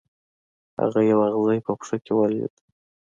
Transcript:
هغه یو اغزی په پښه کې ولید.